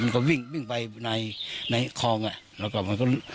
ก็วิ่งไปในห้องนั้น